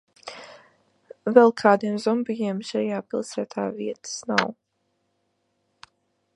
Vēl kādiem zombijiem šajā pilsētā nav vietas!